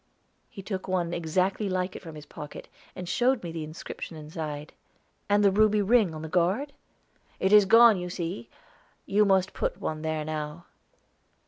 He took one exactly like it from his pocket, and showed me the inscription inside. "And the ruby ring, on the guard?" "It is gone, you see; you must put one there now."